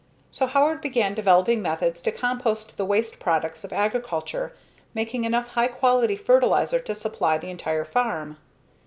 So Howard began developing methods to compost the waste products of agriculture, making enough high quality fertilizer to supply the entire farm.